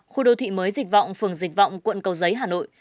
khu đô thị mới dịch vọng phường dịch vọng quận cầu giấy hà nội